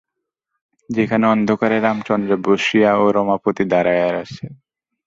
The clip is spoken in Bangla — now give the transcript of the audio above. সেখানে অন্ধকারে রামচন্দ্র বসিয়া, ও রমাপতি দাঁড়াইয়া আছেন।